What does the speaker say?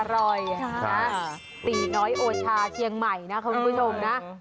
อร็ดอร่อยตีน้อยโอชาเชียงใหม่นะครับคุณผู้ชมนะ